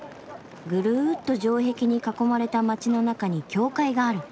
ぐるっと城壁に囲まれた街の中に教会がある。